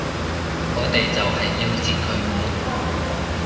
我哋就係要截佢糊